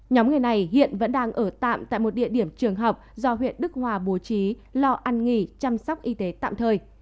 nhóm người này hiện vẫn đang ở tạm tại một địa điểm trường học do huyện đức hòa bố trí lo ăn nghỉ chăm sóc y tế tạm thời